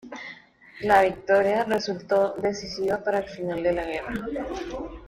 La victoria resultó decisiva para el final de la guerra.